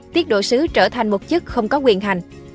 tiết độ sứ trở thành một chức không có quyền hành